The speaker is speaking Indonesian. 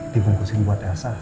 dibungkusin buat elsa